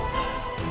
ketika roy terbunuh